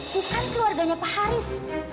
bukan keluarganya pak haris